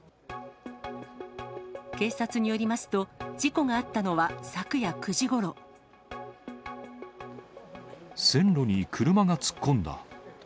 警察によりますと、線路に車が突っ込んだ。